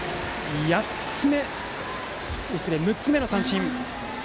６つ目の三振。